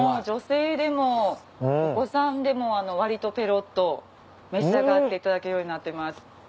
女性でもお子さんでもわりとぺろっと召し上がっていただけるようになってます。